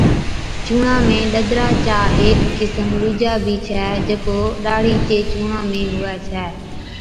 چُونڻا ۾ ڏَدرا چا هيڪ قِسم ڏُوجا بِي ڇَي جڪو ڏاڙهِي چي چُونڻا ۾ هُوَي ڇَي۔